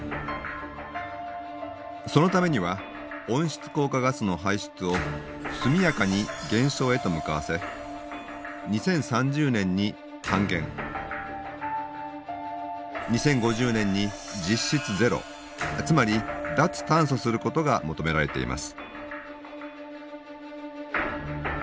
そのためには温室効果ガスの排出を速やかに減少へと向かわせ２０３０年に半減２０５０年に実質ゼロつまり脱炭素することが求められています。